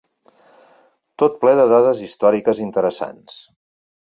Tot ple de dades històriques interessants.